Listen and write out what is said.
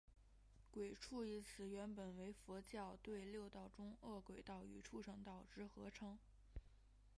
鬼畜一词原本为佛教对六道中饿鬼道与畜生道之合称。